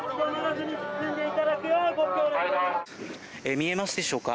見えますでしょうか。